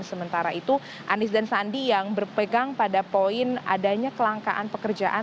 sementara itu anies dan sandi yang berpegang pada poin adanya kelangkaan pekerjaan